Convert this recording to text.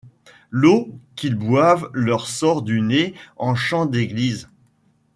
L'eau qu'ils boivent leur sort du nez en chants d'église.